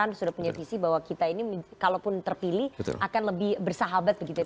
anda sudah punya visi bahwa kita ini kalaupun terpilih akan lebih bersahabat begitu